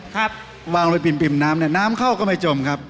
ครับวางลงไปปิ่มน้ำเนี่ยน้ำเข้าก็ไม่จมครับ